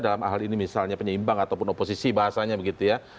dalam hal ini misalnya penyeimbang ataupun oposisi bahasanya begitu ya